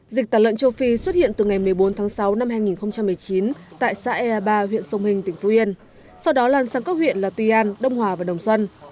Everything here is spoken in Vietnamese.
dịch tả lợn châu phi xuất hiện từ ngày một mươi bốn tháng sáu năm hai nghìn một mươi chín tại xã ea ba huyện sông hình tỉnh phú yên sau đó lan sang các huyện là tuy an đông hòa và đồng xuân